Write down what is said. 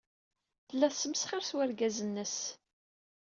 Tella tesmesxir s wergaz-nnes.